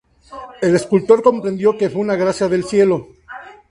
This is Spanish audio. El escultor comprendió que fue una gracia del cielo.